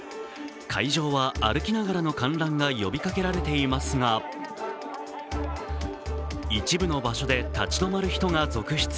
会場は歩きながらの観覧が呼びかけられていますが、一部の場所で立ち止まる人が続出。